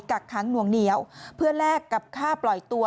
กักค้างหน่วงเหนียวเพื่อแลกกับค่าปล่อยตัว